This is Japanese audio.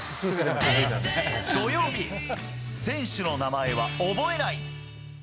土曜日「選手の名前は覚えない」。